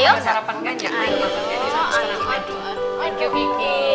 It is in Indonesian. tool proportional sama untuk tulis itulah